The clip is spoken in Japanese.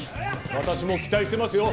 私も期待してますよ！